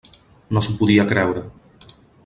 No s'ho podia creure.